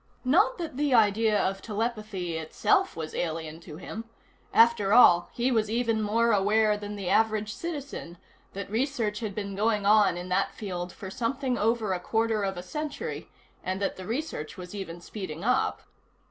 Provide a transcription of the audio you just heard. Not that the idea of telepathy itself was alien to him after all, he was even more aware than the average citizen that research had been going on in that field for something over a quarter of a century, and that the research was even speeding up.